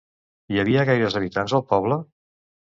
Hi havia gaires habitants al poble?